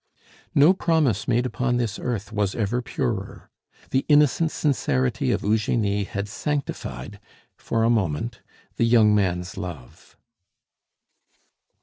No promise made upon this earth was ever purer. The innocent sincerity of Eugenie had sanctified for a moment the young man's love.